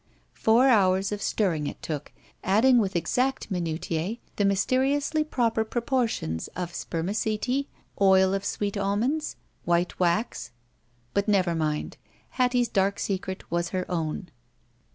Four hotirs of stirring it took, adding with exact minutiae the mysteriously proper proportions of spermacetti, oil of sweet almonds, white wax — But never mind. Hattie's dark secret was her own.